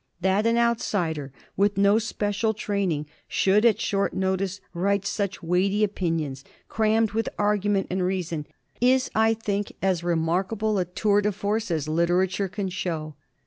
That an outsider with no special training should at short notice write such weighty opinions, crammed with argument and reason, is, I think, as remarkable a tour de force as literature can show.